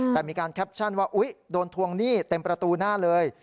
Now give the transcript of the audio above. แต่มีการแคปชั่นว่าอุ๊ยโดนทวงหนี้เต็มประตูหน้าเลย